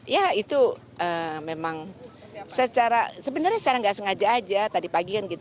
ya itu memang secara sebenarnya secara nggak sengaja aja tadi pagi kan gitu